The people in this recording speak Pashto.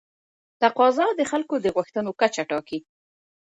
تقاضا د خلکو د غوښتنو کچه ټاکي.